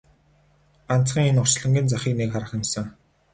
Ганцхан энэ орчлонгийн захыг нэг харах юмсан!